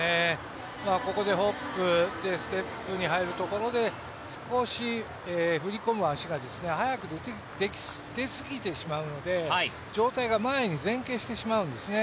ここでホップステップに入るところで少し踏み込む足が早く出すぎてしまうので上体が前に前傾してしまうんですね。